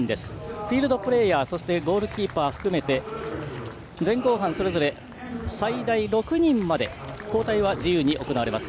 フィールドプレーヤーそしてゴールキーパー含め前後半それぞれ最大６人まで交代は自由に行われます。